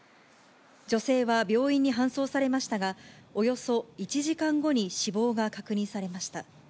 女性は病院に搬送されましたが、およそ１時間後に死亡が確認されました。